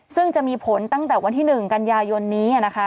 ซึ่งจะมีผลตั้งแต่วันที่๑กันยายนนี้นะคะ